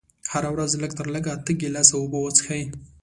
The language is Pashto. هره ورځ لږ تر لږه اته ګيلاسه اوبه وڅښئ.